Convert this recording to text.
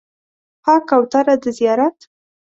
ها کوتره د زیارت